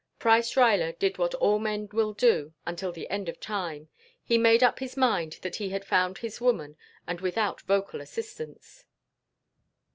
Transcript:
Price Ruyler did what all men will do until the end of time. He made up his mind that he had found his woman and without vocal assistance.